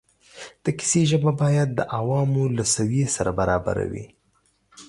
د کیسې ژبه باید د عوامو له سویې سره برابره وي.